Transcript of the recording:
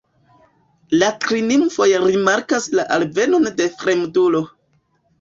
La tri nimfoj rimarkas la alvenon de fremdulo.